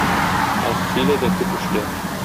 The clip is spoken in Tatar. Аз сөйлә дә күп эшлә.